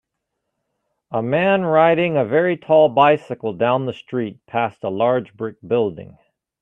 Am man riding a very tall bicycle down the street, past a large brick building.